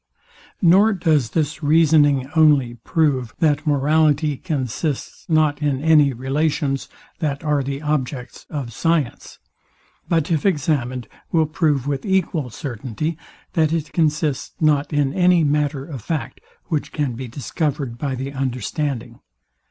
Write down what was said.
Nor does this reasoning only prove, that morality consists not in any relations, that are the objects of science; but if examined, will prove with equal certainty, that it consists not in any matter of fact, which can be discovered by the understanding.